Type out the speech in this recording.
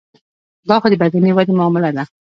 دا خو د بدني ودې معامله ده.